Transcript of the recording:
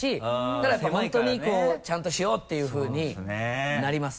だからやっぱ本当にちゃんとしようっていうふうになります。